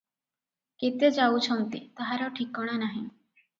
କେତେ ଯାଉଛନ୍ତି, ତାହାର ଠିକଣା ନାହିଁ ।